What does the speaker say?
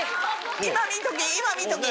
今見とき今見とき。